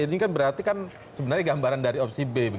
ini kan berarti kan sebenarnya gambaran dari opsi b